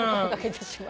私は。